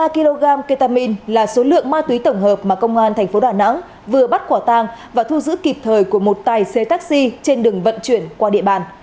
ba kg ketamine là số lượng ma túy tổng hợp mà công an tp đà nẵng vừa bắt quả tang và thu giữ kịp thời của một tài xe taxi trên đường vận chuyển qua địa bàn